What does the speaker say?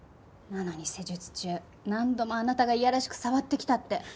なのに施術中何度もあなたがいやらしく触ってきたって。